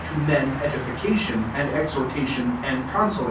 t9 men edification, and exh<»tl^ tion, and consolation.